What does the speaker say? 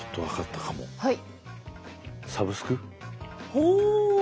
ほう！